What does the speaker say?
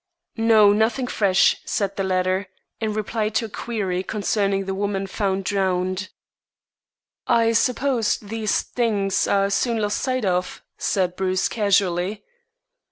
"No, nothing fresh," said the latter, in reply to a query concerning the woman "found drowned." "I suppose these things are soon lost sight of?" said Bruce casually.